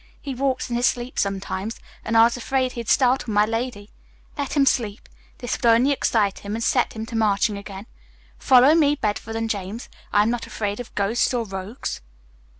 He walks in his sleep sometimes, and I was afraid he'd startle my lady. Let him sleep; this would only excite him and set him to marching again. Follow me, Bedford and James, I'm not afraid of ghosts or rogues."